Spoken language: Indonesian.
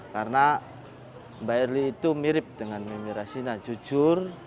karena mbak airly itu mirip dengan mimi rasinah jujur